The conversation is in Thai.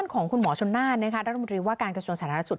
ขอบคุณหมอชนานนะครับรัฐมนตรีว่าการกระทรวงสารรสุทธิ์